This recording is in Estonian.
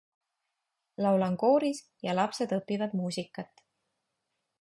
Laulan kooris ja lapsed õpivad muusikat.